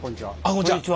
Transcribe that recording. こんにちは。